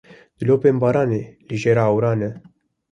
Dilopên baranê li jêra ewran e.